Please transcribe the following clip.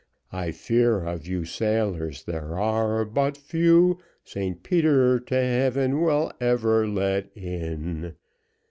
I fear of you sailors there are but few, St Peter, to heaven, will ever let in.